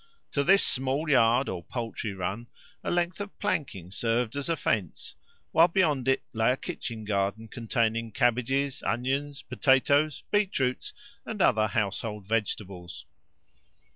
To this small yard or poultry run a length of planking served as a fence, while beyond it lay a kitchen garden containing cabbages, onions, potatoes, beetroots, and other household vegetables.